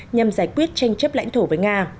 nhằm giải quyết tranh chấp lãnh thổ với nga